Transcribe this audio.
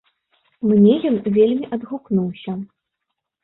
Мне ён вельмі адгукнуўся.